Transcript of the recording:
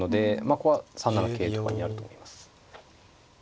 ここは３七桂とかにやると思います。